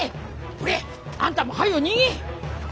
ほれあんたも早う逃げ！